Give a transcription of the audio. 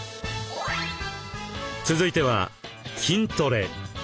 続いては筋トレ。